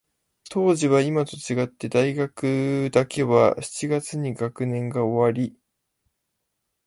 当時は、いまと違って、大学だけは七月に学年が終わり、